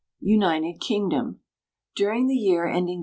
United Kingdom. During the year ending